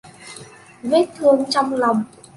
Vết thương trong lòng